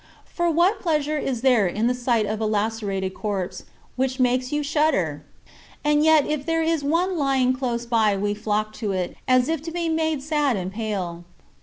For what pleasure is there in the sight of a lacerated corpse, which makes you shudder? And yet if there is one lying close by we flock to it, as if to be made sad and pale.